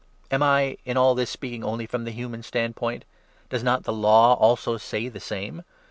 Am 8 I, in all this, speaking only from the human standpoint ? Does not the Law also say the same